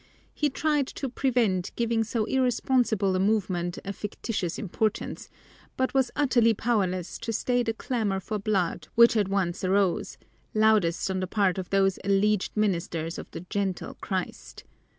He tried to prevent giving so irresponsible a movement a fictitious importance, but was utterly powerless to stay the clamor for blood which at once arose, loudest on the part of those alleged ministers of the gentle Christ.